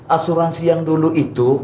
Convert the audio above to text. asuransi yang dulu itu